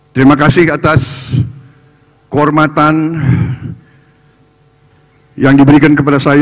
terima kasih atas kehormatan yang diberikan kepada saya